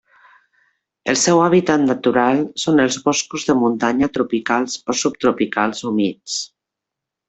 El seu hàbitat natural són els boscos de muntanya tropicals o subtropicals humits.